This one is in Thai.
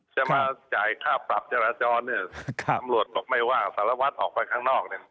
จะมาจ่ายค่าภาพจรรย์จรตำรวจหลบไม่ว่างสารวัตรออกไปข้างนอก